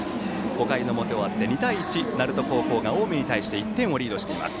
５回の表終わって２対１鳴門高校が近江に対して１点をリードしています。